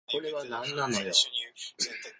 これはなんなのよ